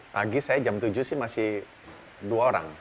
pagi saya jam tujuh sih masih dua orang